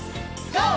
ＧＯ！